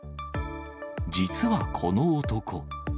実はこの男。